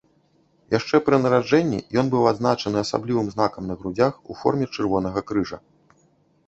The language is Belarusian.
Яшчэ пры нараджэнні ён быў адзначаны асаблівым знакам на грудзях у форме чырвонага крыжа.